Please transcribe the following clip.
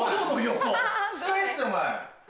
使えってお前。